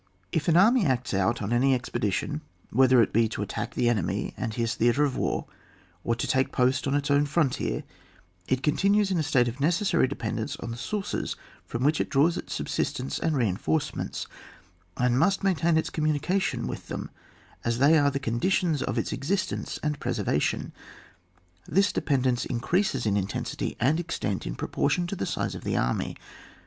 If an army sets out on any expedition, whether it be to attack the enemy and his theatre of war, or to take post on its own frontier, it continues in a state of necessary dependence on the sources from wluch it draws its subsistence and reinforcements, and must maintain its commimication with them, as they are the conditions of its existence and preservation. This dependence increases in intensity and extent in proportion to the size of the army.